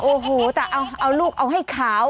โอ้โหแต่เอาลูกเอาให้ขาว